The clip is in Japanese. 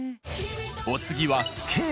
お次は「スケール」。